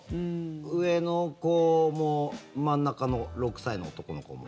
上の子も真ん中の６歳の男の子も。